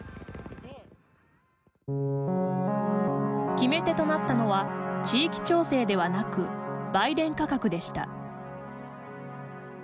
決め手となったのは地域調整ではなく売電価格でした。